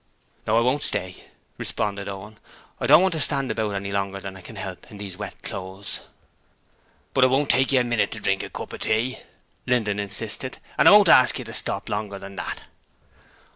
'No; I won't stay,' responded Owen. 'I don't want to stand about any longer than I can help in these wet clothes.' 'But it won't take you a minit to drink a cup of tea,' Linden insisted. 'I won't ask you to stop longer than that.'